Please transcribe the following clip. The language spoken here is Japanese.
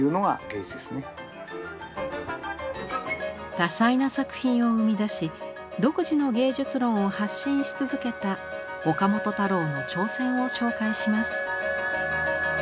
多彩な作品を生み出し独自の芸術論を発信し続けた岡本太郎の挑戦を紹介します。